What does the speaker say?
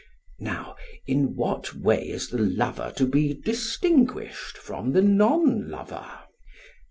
Now in what way is the lover to be distinguished from the non lover?